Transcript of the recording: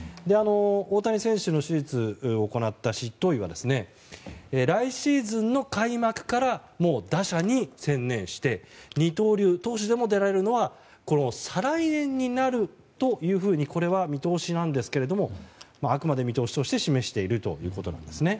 大谷選手の手術を行った執刀医は来シーズンの開幕から打者に専念して二刀流、投手でも出られるのは再来年になるというふうにあくまで見通しとして示しているということです。